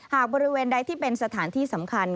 หากบริเวณใดที่เป็นสถานที่สำคัญ